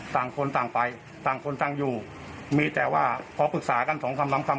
ต่างคนต่างไปต่างคนต่างอยู่มีแต่ว่าพอปรึกษากันสองคำล้ำคำ